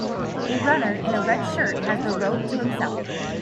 A runner in a red shirt has the rode to himself.